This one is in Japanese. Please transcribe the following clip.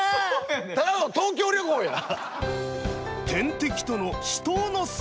ただの東京旅行やん。